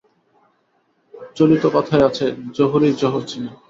চলিত কথায় আছে, জহুরীই জহর চেনে।